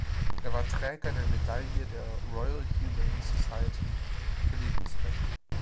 Er war Träger der Medaille der Royal Humane Society für Lebensrettung.